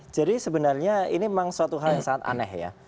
jadi sebenarnya ini memang suatu hal yang sangat aneh ya